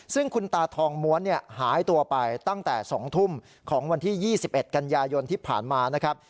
ซึ่งคุณตาทองม้วนหายตัวไปตั้งแต่๒ทุ่มของวันที่๒๑กันยายนที่ผ่านมานะครับ